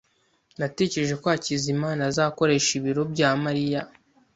Natekereje ko Hakizimana azakoresha ibiro bya Mariya.